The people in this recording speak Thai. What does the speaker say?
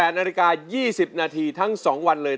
นาฬิกา๒๐นาทีทั้ง๒วันเลย